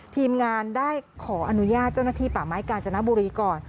ทีมงานได้ขออนุญาตเจ้าหน้าที่ป่าไม้กาญจนบุรีก่อน